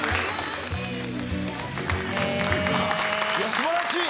素晴らしい。